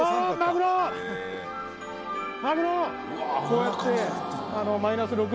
こうやって。